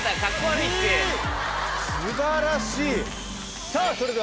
素晴らしい。